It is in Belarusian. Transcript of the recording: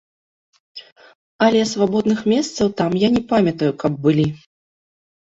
Але свабодных месцаў там я не памятаю, каб былі.